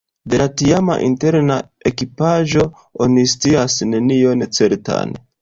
De la tiama interna ekipaĵo oni scias nenion certan.